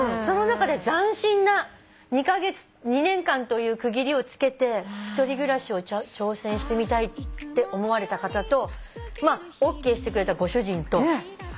その中で斬新な２年間という区切りをつけて１人暮らしを挑戦してみたいって思われた方とＯＫしてくれたご主人と。